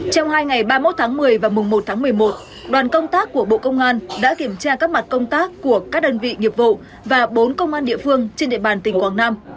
trong hai ngày ba mươi một tháng một mươi và mùng một tháng một mươi một đoàn công tác của bộ công an đã kiểm tra các mặt công tác của các đơn vị nghiệp vụ và bốn công an địa phương trên địa bàn tỉnh quảng nam